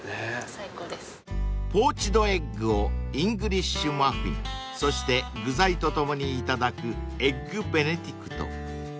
［ポーチドエッグをイングリッシュマフィンそして具材と共にいただくエッグベネディクト］